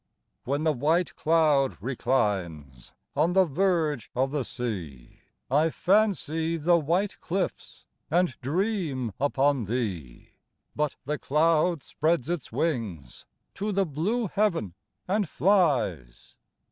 When the white cloud reclines On the verge of the sea, I fancy the white cliffs, And dream upon thee; But the cloud spreads its wings To the blue heav'n and flies.